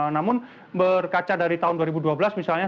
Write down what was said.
namun berkaca dari tahun dua ribu dua belas misalnya